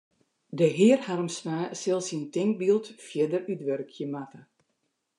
De hear Harmsma sil syn tinkbyld fierder útwurkje moatte.